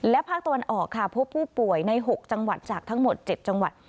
และภาคตะวันออกค่ะพบผู้ป่วยใน๖จังหวัดจากทั้งหมด๗จังหวัด